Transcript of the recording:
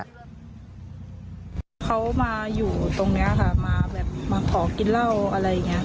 เขามาอยู่ตรงนี้ค่ะมาแบบมาขอกินเหล้าอะไรอย่างนี้